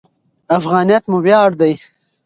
افغانیت مو ویاړ دی.